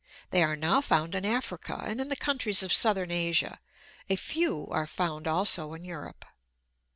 They are now found in Africa and in the countries of southern Asia; a few are found also in Europe.